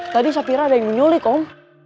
tadi saya kira ada yang menyulik om